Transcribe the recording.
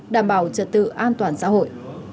đảm bảo trật tự an toàn xã hội